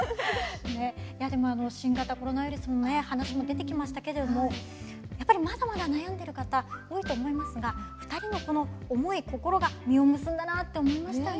いやでも新型コロナウイルスの話も出てきましたけれどもやっぱりまだまだ悩んでる方多いと思いますが２人のこの思い心が実を結んだなって思いましたね。